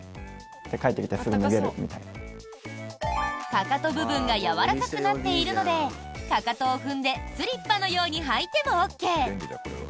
かかと部分がやわらかくなっているのでかかとを踏んでスリッパのように履いてもＯＫ！